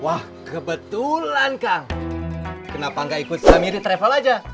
wah kebetulan kang kenapa gak ikut summiri travel aja